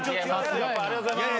ありがとうございます。